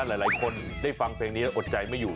หลายคนได้ฟังเพลงนี้แล้วอดใจไม่อยู่